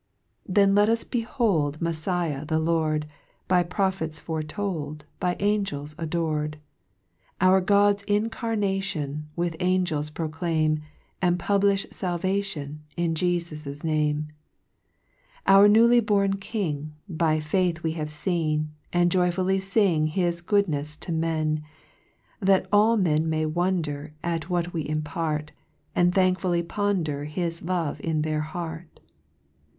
A 4 2 Then ( 8 ) 2 Then let us behold Meffiah the Lord, By prophets foretold, By angels ador'd ; Our God's incarnation, With angels proclaim. And publifli falvation In Jefus's Name. 3 Our newly born King, By faith we have feen, And joyfully fing His goodnefs to men, That all men may wonder At what we impart, And thankfully ponder His love in their heart.